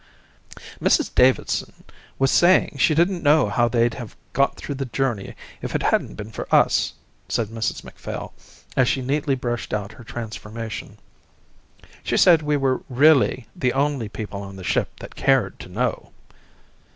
"Mrs Davidson was saying she didn't know how they'd have got through the journey if it hadn't been for us," said Mrs Macphail, as she neatly brushed out her transformation. "She said we were really the only people on the ship they cared to know."